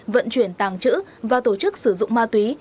vận chuyển tàng trữ và tổ chức sử dụng ma túy